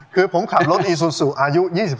คือผมขับรถอีซูซูอายุ๑๖ปีครับ